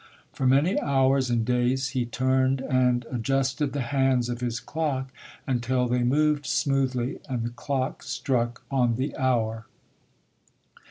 For many hours and days he turned and adjusted the hands of his clock until they moved smoothly and the clock struck on the hour.